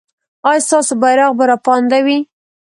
ایا ستاسو بیرغ به رپانده وي؟